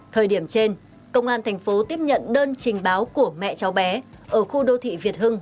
thời điểm trên công an thành phố tiếp nhận đơn trình báo của mẹ cháu bé ở khu đô thị việt hưng